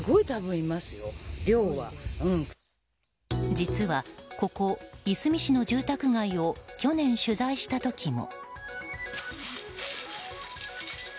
実はここ、いすみ市の住宅街を去年取材した時も。